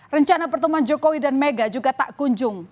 rencana pertemuan jokowi dan mega juga tak kunjung